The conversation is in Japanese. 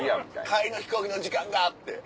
帰りの飛行機の時間が！って。